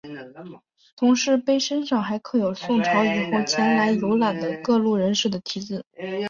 同时碑身上还刻有宋朝以后前来游览的各路人士的题字。